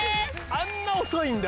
あんな遅いんだ。